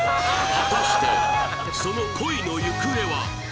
果たしてその恋の行方は？